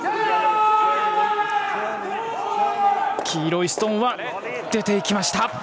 黄色いストーンは出ていきました。